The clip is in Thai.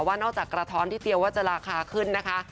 นอกจากกระท้อนที่เตรียมว่าจะราคาขึ้นนะคะ